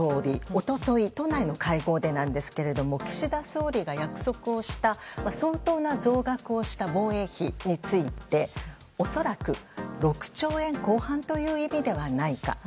一昨日、都内の会合でですが岸田総理が約束をした相当な増額をした防衛費について恐らく６兆円後半という意味ではないか。